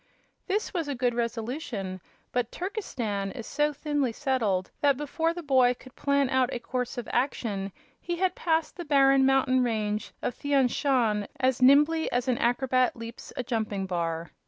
This was a good resolution, but Turkestan is so thinly settled that before the boy could plan out a course of action he had passed the barren mountain range of Thian Shan as nimbly as an acrobat leaps a jumping bar.